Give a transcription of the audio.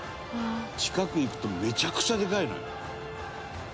「近く行くとめちゃくちゃでかいのよ」